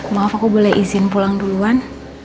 maaf aku boleh izin pulang duluan